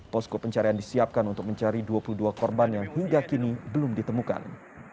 posko pencarian disiapkan untuk mencari dua puluh dua korban yang hingga kini belum ditemukan